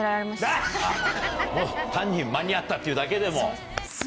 単に間に合ったっていうだけでも。